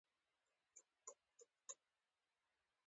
سترګې په بڼو نه درنې ايږي